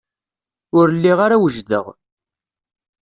Ur lliɣ ara wejdeɣ.